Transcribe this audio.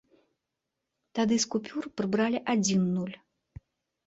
Тады з купюр прыбралі адзін нуль.